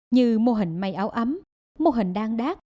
như mô hình mây áo ấm mô hình đan đát